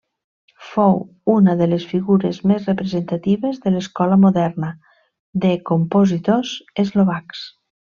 Fou una de les figures més representatives de l'escola moderna de compositors eslovacs.